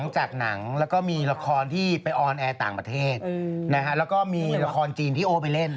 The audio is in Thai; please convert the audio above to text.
จากหนังแล้วก็มีละครที่ไปออนแอร์ต่างประเทศแล้วก็มีละครจีนที่โอ้ไปเล่น